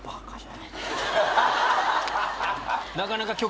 なかなか。